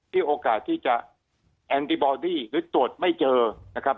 มีโอกาสที่จะแอนติบอดี้หรือตรวจไม่เจอนะครับ